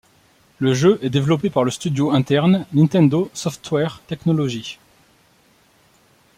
Le jeu est développé par le studio interne Nintendo Software Technology.